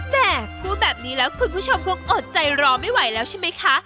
แม่พูดแบบนี้แล้วคุณผู้ชมคงอดใจรอไม่ไหวแล้วใช่ไหมคะ